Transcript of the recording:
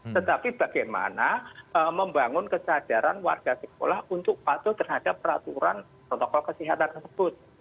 tetapi bagaimana membangun kesadaran warga sekolah untuk patuh terhadap peraturan protokol kesehatan tersebut